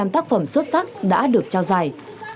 bốn mươi năm tác phẩm xuất sắc đã được trao giải